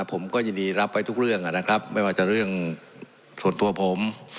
ผมก็ยินดีรับไว้ทุกเรื่องนะครับไม่ว่าจะเรื่องส่วนตัวผม